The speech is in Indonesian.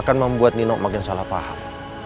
akan membuat nino makin salah paham